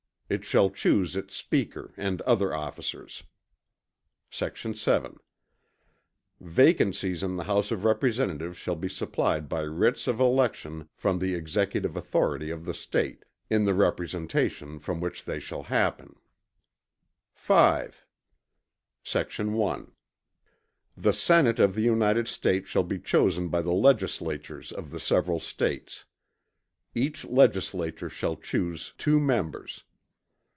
It shall choose its Speaker and other officers. Sect. 7. Vacancies in the House of Representatives shall be supplied by writs of election from the executive authority of the State, in the representation from which they shall happen. V Sect. 1. The Senate of the United States shall be chosen by the Legislatures of the several States. Each Legislature shall chuse two members.